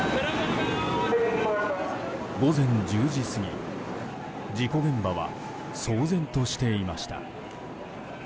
午前１０時過ぎ事故現場は騒然としていました。